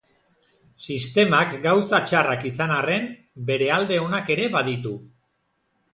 Sistemak gauza txarrak izan arren, bere alde onak ere baditu.